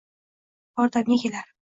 yordamga kelar